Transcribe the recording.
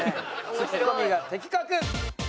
「ツッコミが的確」。